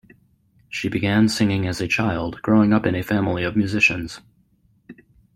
She began singing as a child, growing up in a family of musicians.